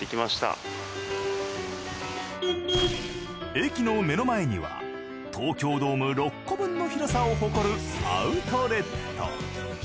駅の目の前には東京ドーム６個分の広さを誇るアウトレット。